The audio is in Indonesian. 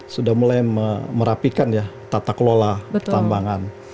sudah mulai merapikan ya tata kelola tambangan